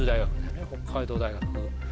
北海道大学。